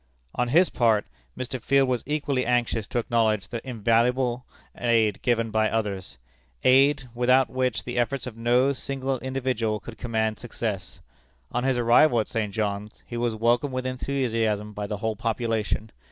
On his part, Mr. Field was equally anxious to acknowledge the invaluable aid given by others aid, without which the efforts of no single individual could command success. On his arrival at St. John's, he was welcomed with enthusiasm by the whole population.